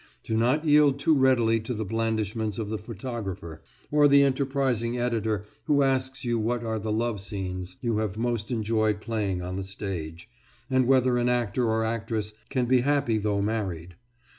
Do not yield too readily to the blandishments of the photographer, or the enterprising editor who asks you what are the love scenes you have most enjoyed playing on the stage, and whether an actor or actress can be happy though married.